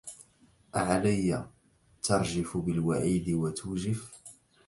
أعلي ترجف بالوعيد وتوجف